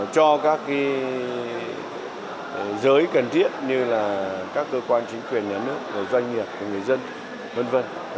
cho các giới cần thiết như các cơ quan chính quyền nhà nước doanh nghiệp